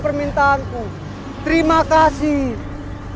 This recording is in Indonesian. terpujilah angkoh yang maha agung